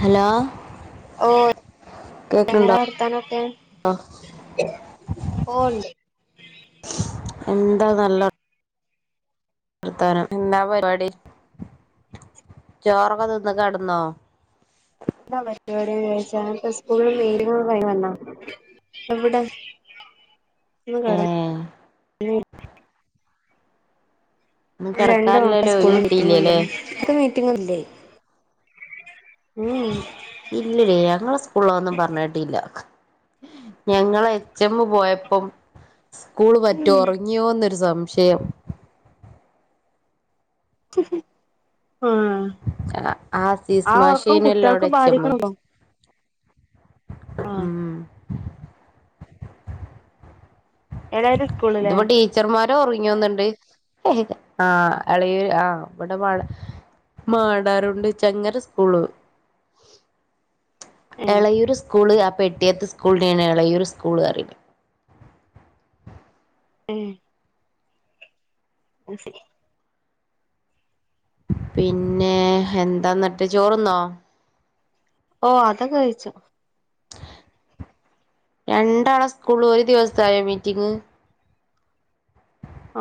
hello ഓ കേക്ക്ണ്ടോ എന്താ വർത്താനൊക്കെ പോണ്ടേ എന്താ നല്ല വർത്താനം എന്നാ പരിപാടി ചോറൊക്കെ തിന്ന് കടന്നോ എന്താ പരിപാടി ചോദിച്ച സ്കൂളും മെയിലുകളും കഴിഞ്ഞ് വന്നോ എവിടെ ഒന്ന് കടന്ന ഏഹ് ഇന്ന് രണ്ട് മക്കളുടെ കെടക്കാനില്ലല്ലോ ഒഴിവ് സ്കൂളി മീറ്റിങ്ങ് ഉണ്ട് കിട്ടിയില്ലല്ലേ അവിടെ മീറ്റിങ്ങില്ലേ ഇല്ലല്ലേ ഞങ്ങളെ സ്കൂളൊന്നും പറഞ്ഞ കേട്ടില്ല ഞങ്ങടെ എച്ച് മ്മ് പോയപ്പം സ്കൂള് പറ്റോ ഉറങ്ങിയോന്നൊരു സംശയം [unintelligible] ആ ആസീസ് ആ ഉറക്കം മാഷേനു അല്ലോ കുട്ടികൾക്ക് അവിടെ എച്ച് എം ബാധിക്കണണ്ടോ ഉം എടായിരുന്നു അതോ ടീച്ചർമാർ ഉറങ്ങിന്നണ്ട് ആ ഇള ആഹ് ഇവിടെ മാടാറുണ്ട് ചങ്ങര സ്കൂള് ഏഹ് എളയൂര് സ്കൂള് പെട്ടിയാത്ത സ്കൂളിനെയാണ് ഇളയൊരു സ്കൂള് അറിവ് ആ അ ശരി പിന്നെ എന്താന്നിട്ട് ചോറന്നോ ഓ അതൊക്കെ കഴിച്ചോ രണ്ടാണ സ്കൂള് ഒരു ദിവസായോ മീറ്റിങ്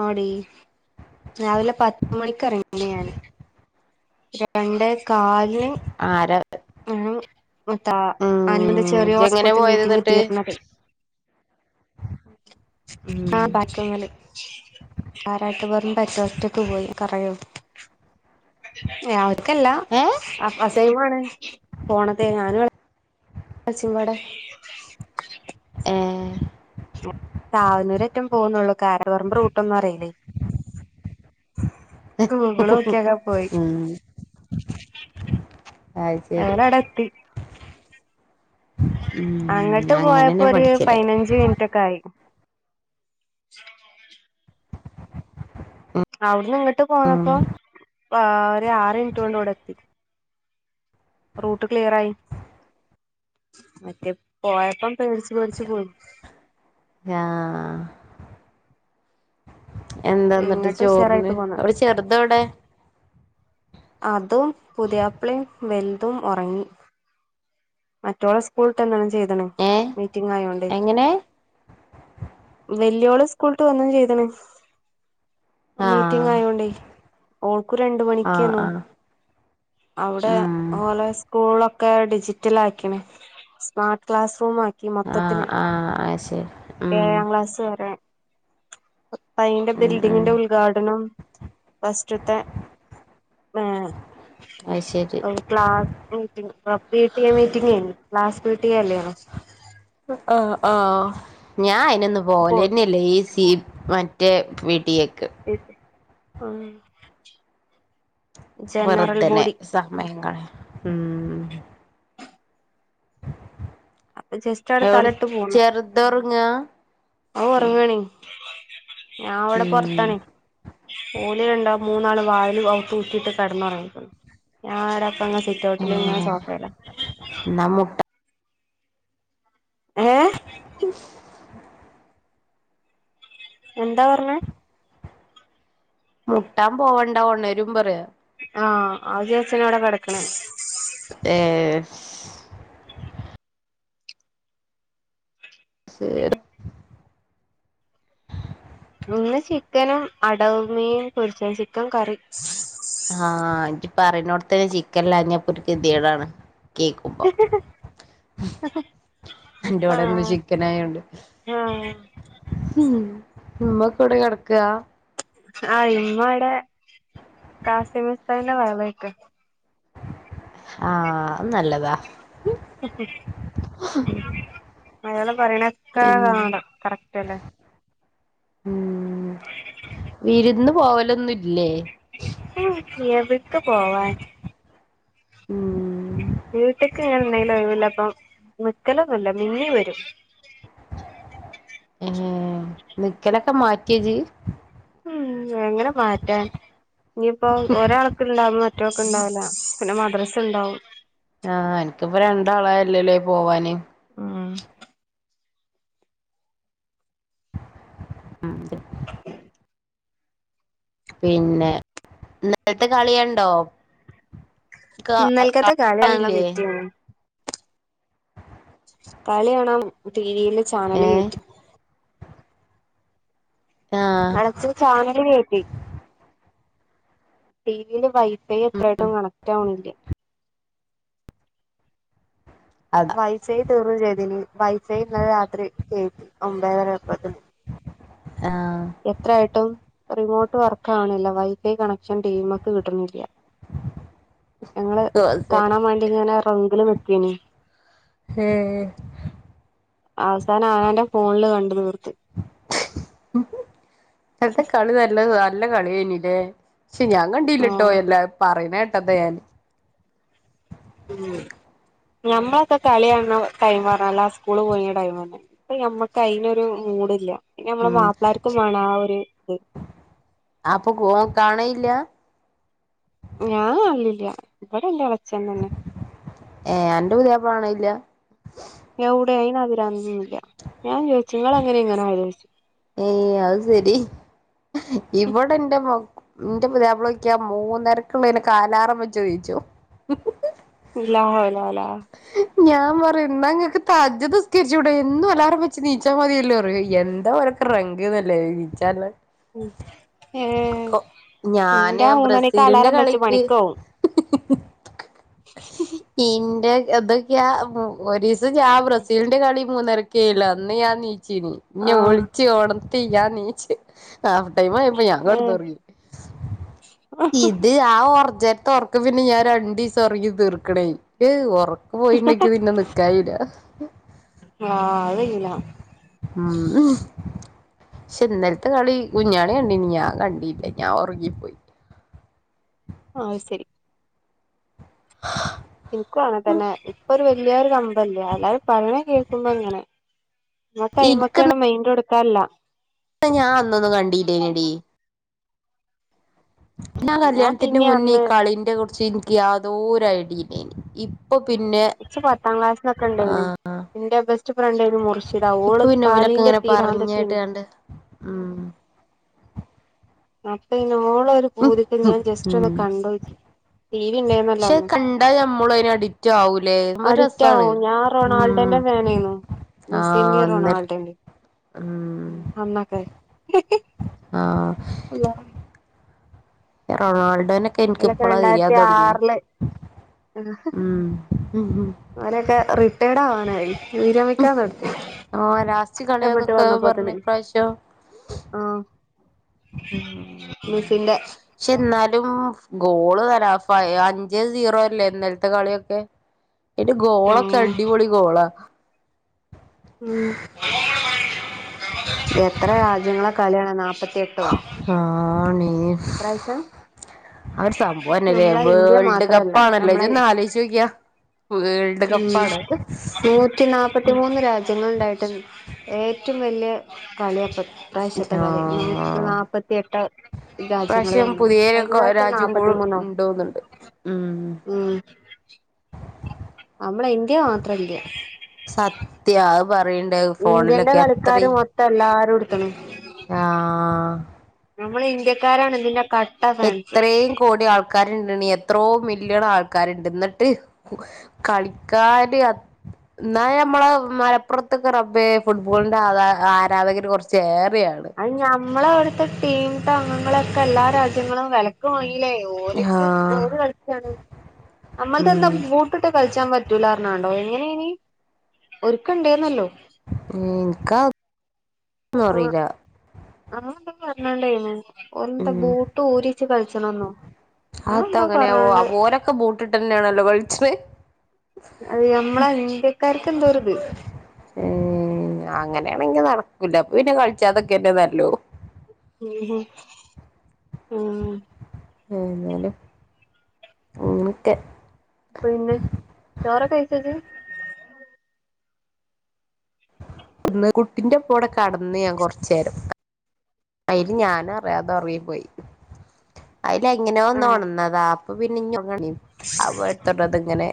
ഓടി രാവിലെ പത്ത മണിിക്ക ഇറങ്ങണ ഞാന് രണ്ട് കാല് ആര ആഹ [inaudible] മത്താ അനബന് ചെറിയോ ഇജ്ജെങ്ങനെ സ്കൂളത്തെ പോയത് മീറ്റിംഗ എന്നിട്ട് തീർന്നത് ആഹ ഉം പക്ക പാരാട്ട് വ [unintelligible] പറ്ററ്റക്ക പോയി കറയോ അവർക്കല്ല ഏ സൈാണ് പോണത്തെ ഞാനടെ [unintelligible] ഏ ചാവനൂരറ്റം പോകുന്നുള്ളൂ കാര കുറമ്പ്രൂട്ടൊന്നും അറിയില്ലേ ഗൂഗളുംനോക്കി ഒക്കെയക്കെ പോയി ഉം അത് ശരി ഞൻ അത്തി ഉം അങ്ങോട്ട് പോയപ്പോൊ അങ്ങനെന്നെ ഒരു പഠിച്ചല് പതിനഞ്ച് മിനിറ്റ്ൊക്കെ ആയി [inaudible] അവിടുന്ന് ഇങ്ങോട്ട് ഉം പോന്നപ്പോ ഒരു ആറ് മിനിറ്റ് കൊണ്ട് ഇവിടെ എത്തി റൂട്ട് ക്ലിയർായി മറ്റേ പോയപ്പം പേടച്ച് പേടച്ച്പോയി ഹാ എന്താ എന്നിട്ട് ഇങ്ങട്ട് ഉഷാറായിട്ട് ചോറിന് പോന്ന് അവിടെ ചെറുത അവിടെ അതും പുതിയാപ്പ്ളയും വെലുതും ഉറങ്ങി മറ്റള സ്കൂളട്ടന്താണ് ചെയ്തണ ഏ മീറ്റിംഗ ആയോണ്ട്േ എങ്ങനെ വല്ിയോള് സ്കൂളട്ട് വന്ന ചെയ്തണ് ആ മീറ്റിംഗ ആയോണ്ട ഓക്ക്ു രണ്ട മണി ആ ആ അവിടെ ഉം പോലെ സ്കൂളൊക്കെ ഡിജി [unintelligible] റ്റിലാക്കണേ സ്മാർട്ട് ക്ലാസ്റൂ ആ ആഹ് മൊത്തത്തില്ൽ ആഹ് അത് ശരി ഉം ഏഴാം ക്ലാസ് വരെ തയിന്റെ ഉം ഉം ബിൽഡിങ്ങിന്റെ ഉദ്ഘാടനം ഫസ്റ്റത്തെ ആ അത് ശരി അവക്ക് ക്ലാസ്സ്‌ മീറ്റിങ് [unintelligible] ട്ടിയ മീറ്റിംഗ ക്ലാസ് പിറ്റിയ അല്ലേണോ ആഹ ആഹ ഞാൻ അയിനൊന്ന് അപ്പോ പോലെന്നെയല്ലേ ഈ സി മറ്റേ വീട്ടിയ ത ആഹ വെറുതനെ സമയങ്ങളെ ഉം അപ്പൊ ജസ്റ്റോവിടെ എവിടെ തലട്ട് പോണ് ചെറുതൊറങ്ങാ ആ ഉറങ്ങണ ഞാ അവിടെ ഉം പൊറത്താണ ഓലിണ്ടോ മൂന്ന് ങ്ങള് വാതിൽ പൂട്ടിട്ട് കിടന്നു ഉറങ്ങിക്കാണ് ഞാൻ ഇടെ [unintelligible] ചുറ്റോട്ടില ഇങ്ങനെ ആഹ് സോഫല്ല എന്നാ മുട്ട എ എന്താ പറഞ്ഞ മുട്ടാൻ പോവണ്ടാ ണരും പറയാ ആഹ ആദ്യസന് ഇവിടെ കിടക്കണ ഏ ശേട [unintelligible] ഒന്ന് ചിക്കനും അടവമയും കുരിച്ച ക്കൻ കറി പറുന്നോടത്തന്നെ ചിക്കൻല്ലാഞ്ഞപ്പൊ ഒരു കിതിീടാണ് കേക്കുമ്പം എൻ്റെ അവിടെ ഇന്ന് ആഹ് ചിക്കൻ ആയോണ്ട് ആഹ് ഉമ്മക്ക ഇവിടെ കിടക്കാ ആ ഇമ്മടെ കാസിം ഉസ്താദിന്റെ വഹ്ള് കേൾക്ക ആ അത് നല്ലതാ അ പറയണക്ക കാണാം കറക്റ്റ് അല്ലേ ഉ വീരുന്ന് പോവലൊന്നുംല്ലേ ഉ എവിടക്ക് പോവാൻ ഉം വീട്ടക്ക് ഇങ്ങനെ എന്തെങ്കിലും ഒഴിവ് അപ്പം നിക്കലൊന്നില്ല മടങ്ങി വരും ഏ നിക്കലൊക്കെ മാറ്റിയജീ ഉം എങ്ങനെ മാറ്റാൻ ഇനിയിപ്പോ ഒരാൾക്ക് ഇണ്ടാവു മറ്റോക്ക് ഉണ്ടാവില്ല പിന്നെ മദ്രസ ഉണ്ടാവും ആ എനിക്കിപ്പ രണ്ടാളായല്ലല്ലേ പോവാന് ആ ഉ പിന്നെ ഇന്നലത്തെ കളിയണ്ടോ ക ഇന്നൽക്കത്തെ കളിയാണല്ലോ കാണലില്ലേ പിറ്റേന്ന് കളി കാണാം ടിവിയില് ചാനല് ഏഹ് കേറ്റി ആഹ് അട്ത്ത ചാനൽ കേറ്റി ടിവിയില് വൈഫൈ എത്രായിട്ടും കണക്റ്റ് ആവണില്ല അതാ വൈഫൈ തീർന്ന വിചാതിനി വൈഫൈ ഇന്നലെ രാത്രി കേറ്റി ഒമ്പായിതരപ്പത്തിന്ന് ആഹ് എത്രായിട്ടും റിമോട്ട് വർക്ക് ആവണില്ല വൈഫൈ കണക്ഷൻ ടീവിമേക്ക് കിട്ടുന്നില്ല ഞങ്ങള് ഓഹ് കാണാൻ വേണ്ടി ഇങ്ങനെ റംപില് നിക്കണി ഹേ അവസാനം ആങ്ങേന്റെ ഫോണില് കണ്ടു തീർത്ത് ഇന്നലത്തെ കളി നല്ല നല്ല കളി തന്നല്ലേ പക്ഷെ ഞാൻ കണ്ടില്ലട്ടോ ആഹ് എല്ലാരും പറയണ കേട്ടതാ ഞാൻ ഉം ഞമ്മളൊക്ക കളികാണ ടൈം പറഞ്ഞാല് ആ സ്കൂള് പോയി ടൈം തന്നെ ഇപ്പ നമ്മക്ക് അതിനൊരു മൂടില്ല പിന്നെ നമ്മളെ ഉം മാപ്പിളാർക്കും വേണം ആ ഒരു ഇത് ഇല്ല ഞാൻ കാണാലില്ല ഇവിടെ എല്ലാ- ഏ എന്റെ പുതിയാപ്ല കാണാലില്ല എവിടെ അയിന് അതിരന്നന്നില്ല ഞാൻ ചോദിച്ചു നിങ്ങള് എങ്ങനെ ഇങ്ങനെ ആയെ ചോദിച്ചു ഏയ് അത് ശരി ഇവിടെ എന്റെ നിന്റെ പുതിയാപ്ല വിക്ക മൂന്നരക്ക് ഇനെ അലാറം വെച്ച് എണീച്ചും ശബ്ദം ക്ലിയർ അല്ല ഞാൻ പറയും എന്നാങ്ങൾക്ക് തഹജുദ് നിസ്കരിച്ചൂടെ എന്നും അലാറം വെച്ച് എണീച്ച മതിയല്ലാം പറയ് എന്താ രംഗന്നല്ലേ എണീച്ച ഉ ഏ ഞാന് എന്റെ മൂന്നണിക്ക് ബ്രസീലിന്റെ അലാറം വെച്ച് കളിക്ക് പണിക്കോവും ഇന്റെ ഇതൊക്കെയാ ഒരു ദിവസം ഞാൻ ബ്രസീലിന്റെ കളി മൂന്നരക്കേല്ല അന്ന് ഞാൻ എണീച്ചിനു ഇന്ന ആഹ് വിളിച്ച് ഒണത്തി ഞാൻ എണീറ്റ് ഹാഫ് ടൈം ആയപ്പം ഞാൻ ഏഹ് കെടന്നൊറങ്ങി ഇത് ആ- ഉറക്കം പിന്നെ ഞാൻ രണ്ടു ദിവസം ഉറങ്ങി തീർക്കണേ പോയിണ്ടെക്ക്പിന്നെ നിക്കായില്ല ആ അതില്ല ഉം പക്ഷെ നേരത്തെ കളി കുഞ്ഞാളി കണ്ടീ ഞാൻ കണ്ടില്ലേ ഞാൻ ഉറങ്ങിപ്പോയി ആഹ് അത് ശരി എനിക്കും അങ്ങനെ തന്നെ ഇപ്പൊ ഒരു വല്യയൊരു കമ്പംല്ല എല്ലാരും പറയണ കേൾക്കുമ്പോ ഇങ്ങനെ [unintelligible] ഇഹ് ഞാൻ അന്നൊന് കണ്ടില്ലലോടി ആ ഞാൻ കല്യാണത്തിന്റെ പിന്നെ മുന്നേ ഈ അന്ന് കളിന്റെ കുറിച്ച് എനിക്ക് യാതൊരു ഐഡിയയില്ല ച്ച് പത്താം ക്ലാസ്സിലൊക്കെ [unintelligible] എന്റെ ബെസ്റ്റ് ഫ്രണ്ടരുന്നു മുർഷിദാ ഇപ്പൊ ഓള് പിന്നെ കളിന്റെ തീരാന്തത്തി- ആഹ് അപ്പൊ ഇന്ന ഓള ഒരു പൂതിക്കെ ഞാൻ ജസ്റ്റ് ഉം ഒന്ന് കണ്ടോക്കി ടി വി പക്ഷെ ഉണ്ടേയിരുന്നല്ലോന്ന് കണ്ടാ ഞമ്മള് അതിന് അഡിക്റ്റ് ആവൂലേ സംഭവം അഡിക്റ്റ് ആവോ രസാണ് ഞാൻ ഉം റൊണാൾഡോന്റെ- [unintelligible] മിസ് ആഹ് ഇന്ത്യാ ഇന്നലെ റൊണാൾഡോ ഉം അന്നൊക്കെ ആഹ് റൊണാൾഡോനൊക്കെ എനിക്ക്പ്പോളാ തിരിയാൻ തുടങ്ങിയ- അവനോക്കെ റിട്ടേർഡ് ആവാൻ- വിരമിക്കാൻ നിർത്തി ആഹ് ലാസ്റ്റ് ഇഷ്ടപ്പെട്ട് കളിയാന്നൊക്കെ വന്നപ്പോ തന്നെ പറഞ്ഞ് ഇപ്രാവശ്യം ആഹ മെസിന്റെ- ഉം ഗോള് തരാ അഞ്ച് സീറോ അല്ലേ ഇന്നലത്തെ കളിയൊക്കെ അതിന്റെ ഗോളൊക്കെ ആഹ് അടിപൊളി ഗോളാ ഉം എത്ര രാജ്യങ്ങളാ കളിയാണ് നാപ്പത്തി ആണ് [unintelligible] അവര് സംഭവം തന്നെല്ലേ നമ്മളെ ഇന്ത്യ വേൾഡ് മാത്രല്ല കപ്പ്ണല്ലോ ജ് നമ്മളെ ഒന്ന് ആലോചിച്ചു നോക്കിയേ വേൾഡ് ഉം കപ്പാണ് നൂറ്റി നാല്പ്പത്തിമൂന്ന് രാജ്യങ്ങളൾണ്ടായിട്ടും ഏറ്റവും വലിയ കളിയായിപ്പം ഈ പ്രാവശ്യത്തെ ആ കാളി നൂറ്റിനാല്പ്പത്തിയെട്ട് രാജ്യങ്ങൾ ഇപ്രാവശ്യം തമ്മിൽ കഴിഞ്ഞ പുതിയ പ്രാവശ്യം രാജ്യം നാപ്പത് കൂടെ ഉണ്ടോന്നുണ്ട് ഉം ഉം നമ്മളടെ ഇന്ത്യ മാത്രമില്ല സത്യ അത് പറയണ്ട് ഇന്ത്യന്റെ ഫോണിലൊക്കെ കളിക്കാര് മൊത്തം എല്ലാരും എടുത്തണം ആഹ് നമ്മള് ഇന്ത്യക്കാരാണ് എന് എത്രയും കോടി ആൾക്കാരുണ്ട് എത്രോ മില്യൺ ആൾക്കാരുണ്ട് എന്നിട്ട് കളിക്കാന് എന്നാ നമ്മള് മലപ്പുറത്തൊക്കെ റബ്ബേ ഫുട്ബോളിന്റെ ആധ ആരാധകര് കുറച്ച് ഏ അത് ഞമ്മള അവിടുത്തെ ടീമ അംഗങ്ങളൊക്കെ എല്ലാ രാജ്യങ്ങളും വിലക്ക് വാങ്ങി ല്ലേ ഓലക്ക്‌ ഓര് ആ കളിച്ചാണ് നമ്മൾത്തെ ഉം ബൂട്ട്ട്ട് കളിച്ച് കളിക്കാൻ പറ്റൂല ണ്ടോ എങ്ങനെയായിനി ഒരുക്കണ്ടേന്നല്ലോ ഉം എനിക്കാ ഒന്നും അറിയില്ല അങ്ങനെ എന്തോ പറഞ്ഞണ്ടായിരുന് എന്താ ബൂട്ട് ഊരിവച്ച് കളിച്ചണംന്നോ അത് ഇത്ത അങ്ങനെ ഓ ഒരൊക്കെ ബൂട്ടിട്ട് തന്നെയാണല്ലോ കളിച്ചത് അത് നമ്മളെ ഇന്ത്യക്കാർക്ക് എന്തോരിത് ഉം അങ്ങനെയാണെങ്കി നടക്കൂല അപ്പൊ പിന്നെ കളിച്ചാ അതൊക്കെനല്ലു ഉം ഉം ഉം എന്നാലും അങ്ങനക്കെ പിന്നെ ചോറ് കഴിച്ചോത് ഒന്ന് കുട്ടിന്റെ കൂടെ കിടന്ന് ഞാൻ കുറച്ച് നേരം അയില് ഞാന് അറിയാതെ ഉറങ്ങി പോയി അതില് എങ്ങനെയോ ഒന്ന് ആഹ് ഉണന്നതാ അപ്പൊ പിന്നെ ഇങ്ങ് എണി അപ്പൊ എടുത്തോട്ട് ഇങ്ങനെ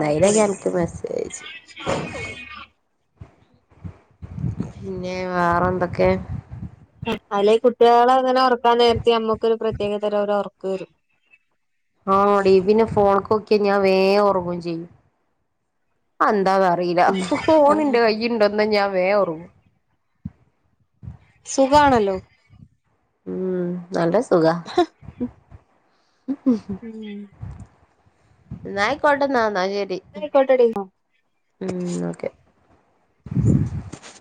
അത് ശരി നിനക്ക് മെസ്സേജ് അയച്ചു പിന്നെ വേറെ എന്തൊക്കെ അല്ലെ കുട്ടികളെ അങ്ങനെ ഉറക്കാൻ നേരത്ത് നമ്മുക്കൊരു പ്രത്യേക തരം ഒരു ഉറക്ക് വരും ആടീ പിന്നെ ഫോണ്ക്കൊക്കിയ ഞാൻ വേം ഉറങ്ങും ചെയ്യും എന്താന്ന അറിയില്ല ഉം ഫോണിന്റെ കച്ചിണ്ടെന്നാ ഞാൻ വേം ഒറങ്ങും സുഖാണല്ലോ ഉം നല്ല സുഖാ ഉം ഇന്നാ ആയിക്കോട്ടെന്നാ ഇന്നാ ശരി ആയിക്കോട്ടെടി ഉം ഓക്കെ ഉ [inaudible]